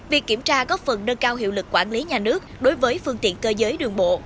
việc kiểm tra góp phần nâng cao hiệu lực quản lý nhà nước đối với phương tiện cơ giới đường bộ